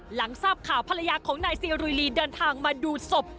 หลังทราบข่าวภรรยาของนายซีรุยลีเดินทางมาดูศพ